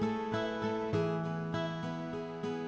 dia gak bisa berc salmon